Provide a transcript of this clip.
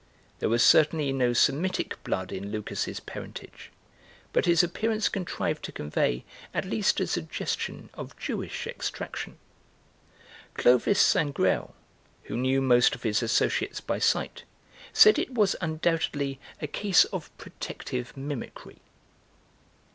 There was certainly no Semitic blood in Lucas's parentage, but his appearance contrived to convey at least a suggestion of Jewish extraction. Clovis Sangrail, who knew most of his associates by sight, said it was undoubtedly a case of protective mimicry.